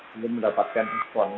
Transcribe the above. belum mendapatkan respon